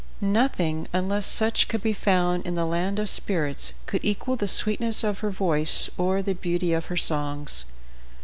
Nothing, unless such could be found in the land of spirits, could equal the sweetness of her voice or the beauty of her songs.